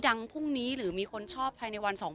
บางทีเค้าแค่อยากดึงเค้าต้องการอะไรจับเราไหล่ลูกหรือยังไง